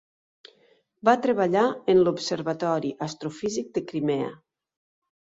Va treballar en l'Observatori Astrofísic de Crimea.